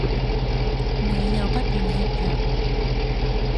你又不願吃藥